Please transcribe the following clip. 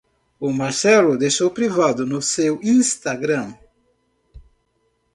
O Marcelo deixou privado no seu Instagram